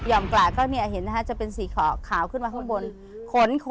อย่อมกระเห็นนะฮะจะเป็นสีขาวขึ้นมาข้างบน